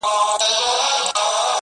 ټولي دنـيـا سره خــبري كـــوم،